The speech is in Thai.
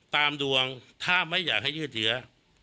ตามดวงถ้าไม่อยากให้ยืดเหยื่อ